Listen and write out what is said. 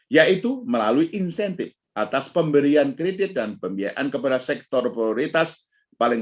yaitu melalui insentif atas pemberian kredit dan pembiayaan kepada sektor prioritas paling